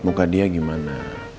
muka dia gimana